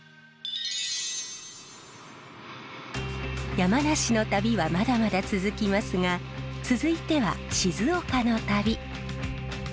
山梨の旅はまだまだ続きますが続いては静岡の旅。